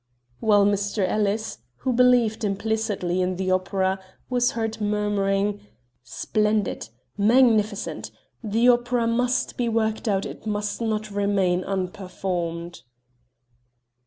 While Mr. Ellis, who believed implicitly in the opera, was heard murmuring: "Splendid! ... magnificent! The opera must be worked out it must not remain unperformed!"